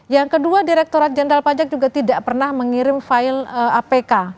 yang kedua direkturat jenderal pajak juga tidak pernah mengirim file apk